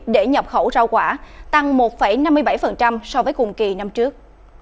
để nhập khẩu rau quả tăng một năm mươi bảy so với cùng kỳ năm trước